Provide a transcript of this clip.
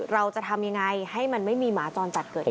เราจะทำยังไงให้มันไม่มีหมาจรจัดเกิดเหตุ